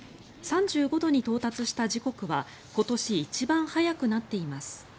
３５度に到達した時刻は今年一番早くなっています。